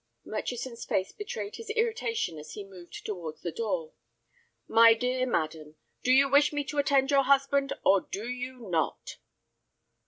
Murchison's face betrayed his irritation as he moved towards the door. "My dear madam, do you wish me to attend your husband, or do you not?"